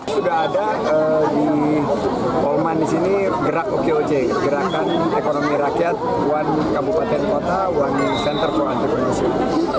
sudah ada di holman di sini gerak okoc gerakan ekonomi rakyat one kabupaten kota one center for entrepreneurship